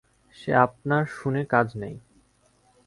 সে আপনার শুনে কাজ নেই।